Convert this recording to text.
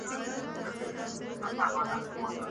زما د تورو پستو غوښو د خوړلو ..